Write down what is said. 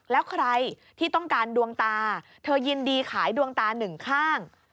แล้วใครที่ต้องการดวงตาเธอยินดีขายดวงตาหนึ่งข้าง